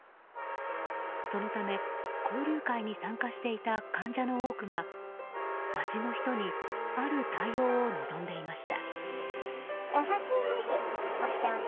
そのため、交流会に参加していた患者の多くが街の人にある対応を望んでいました。